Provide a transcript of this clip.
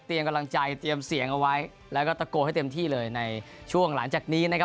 กำลังใจเตรียมเสียงเอาไว้แล้วก็ตะโกนให้เต็มที่เลยในช่วงหลังจากนี้นะครับ